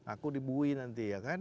aku dibuih nanti ya kan